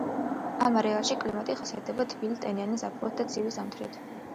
ამ არეალში კლიმატი ხასიათდება, თბილი, ტენიანი ზაფხულით და ცივი ზამთრით.